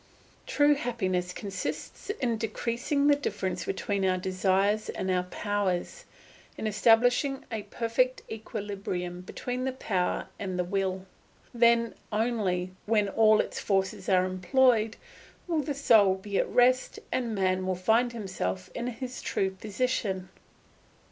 True happiness consists in decreasing the difference between our desires and our powers, in establishing a perfect equilibrium between the power and the will. Then only, when all its forces are employed, will the soul be at rest and man will find himself in his true position.